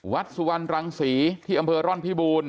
วัดสุวรรณรังศรีที่อำเภอร่อนพิบูรณ